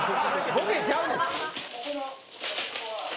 ボケちゃうねん。